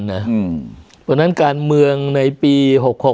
เพราะฉะนั้นการเมืองในปี๖๖